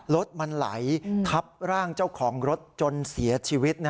รถมันไหลทับร่างเจ้าของรถจนเสียชีวิต